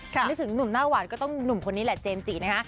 นึกถึงหนุ่มหน้าหวานก็ต้องหนุ่มคนนี้แหละเจมส์จินะคะ